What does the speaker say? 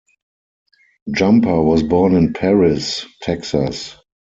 Jumper was born in Paris, Texas.